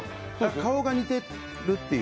顔が似てるっていう。